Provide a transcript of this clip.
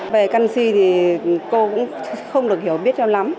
về canxi thì cô cũng không được hiểu biết lắm